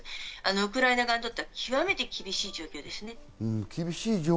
ウクライナ側にとっては極めて厳しい状況ですね。